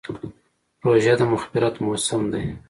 روژه د مغفرت موسم دی.